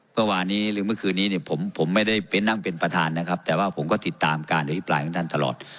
เมื่อคืนนี้ผมไม่ได้นั่งเป็นประธานนะครับแต่ว่าผมก็ติดตามการอภิปรายของท่านตลอด